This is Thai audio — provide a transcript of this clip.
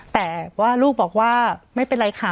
แต่ว่าลูกบอกว่าไม่เป็นไรค่ะ